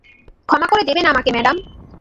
ক্ষমা করে দেবেন আমাকে, ম্যাডাম!